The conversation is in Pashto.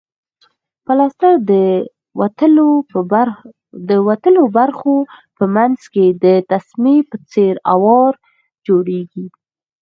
پلستر د وتلو برخو په منځ کې د تسمې په څېر اوار جوړیږي.